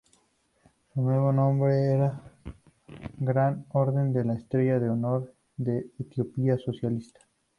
Su nuevo nombre era Gran Orden de la Estrella de Honor de Etiopía Socialista.